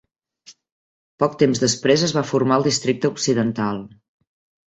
Poc temps després es va formar el districte occidental.